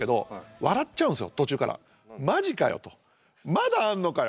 「まだあんのかよ